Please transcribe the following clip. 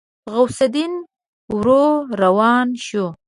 غوث الدين ورو روان شو.